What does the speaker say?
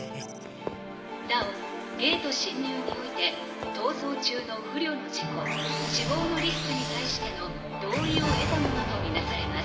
なおゲート進入において逃走中の不慮の事故死亡のリスクに対しての同意を得たものと見なされます。